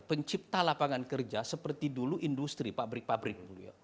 pencipta lapangan kerja seperti dulu industri pabrik pabrik